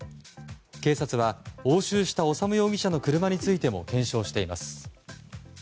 警察は押収した修容疑者の車についても検証しています。